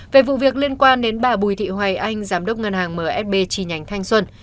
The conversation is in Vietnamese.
về vụ việc liên quan đến bà bùi thị hoài anh giám đốc ngân hàng msb chi nhánh thanh xuân